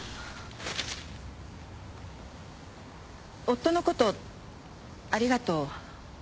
夫のことありがとう。